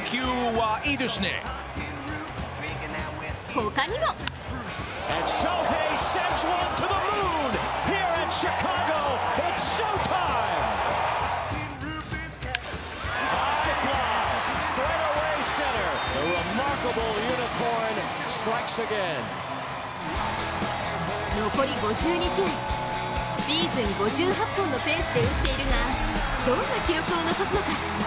他にも残り５２試合、シーズン５８本のペースで打っているがどんな記録を残すのか。